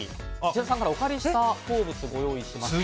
内田さんからお借りした鉱物をご用意しました。